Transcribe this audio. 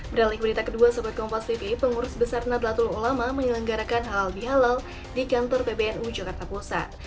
beralik berita kedua sobatkompastv pengurus besar natlatul ulama menyelenggarakan halal bihalal di kantor pbnu yogyakarta pusat